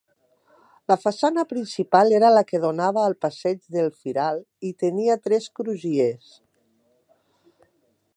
La façana principal era la que donava al Passeig del Firal hi tenia tres crugies.